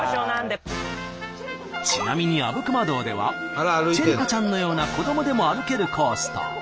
ちなみにあぶくま洞ではチェリ子ちゃんのような子どもでも歩けるコースと。